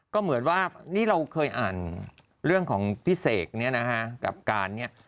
ก็เหมือนว่านี่เราเคยอ่านเรื่องของพี่เสกเนี่ยนะฮะกับการเนี่ย